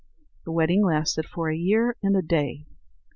The wedding lasted for a year and a day.